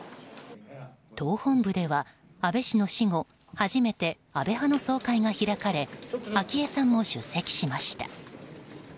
党本部では安倍氏の死後初めて安倍派の総会が開かれ昭恵さんも出席しました。